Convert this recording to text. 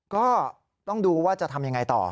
ก็ต้องดูว่าจะทำยังไงต่อ